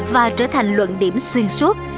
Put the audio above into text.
và trở thành luận điểm xuyên suốt